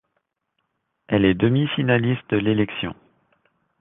Elle est demi-finaliste de l'élection.